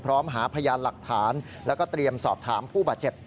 พร้อมหาพยานหลักฐานแล้วก็เตรียมสอบถามผู้บาดเจ็บ